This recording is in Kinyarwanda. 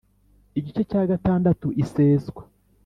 igice cya gatandatu iseswa